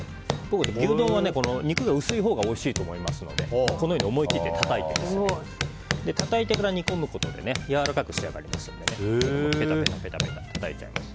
牛丼は肉が薄いほうがおいしいと思いますのでこのように思い切ってたたいてたたいてから煮込むことでやわらかく仕上がりますのでベタベタたたいちゃいます。